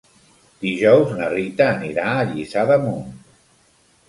Dijous na Rita anirà a Lliçà d'Amunt.